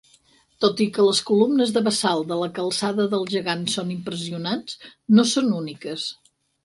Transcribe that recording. Tot i que les columnes de basalt de la Calçada del Gegant són impressionants, no són úniques.